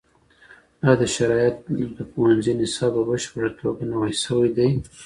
آیا د شرعیاتو د پوهنځي نصاب په بشپړه توګه نوی سوی دی؟